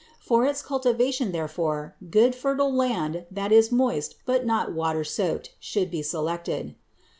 For its cultivation, therefore, good fertile land that is moist but not water soaked should be selected.